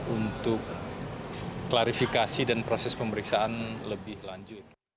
untuk klarifikasi dan proses pemeriksaan lebih lanjut